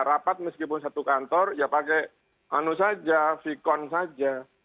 rapat meskipun satu kantor ya pakai anu saja vkon saja